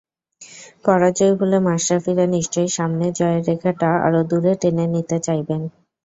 পরাজয় ভুলে মাশরাফিরা নিশ্চয়ই সামনে জয়ের রেখাটা আরও দূরে টেনে নিতে চাইবেন।